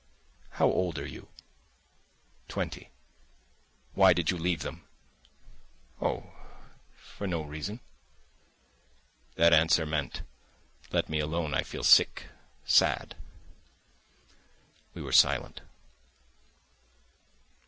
"How old are you?" "Twenty." "Why did you leave them?" "Oh, for no reason." That answer meant "Let me alone; I feel sick, sad." We were silent.